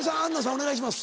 お願いします。